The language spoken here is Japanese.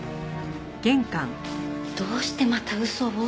どうしてまた嘘を？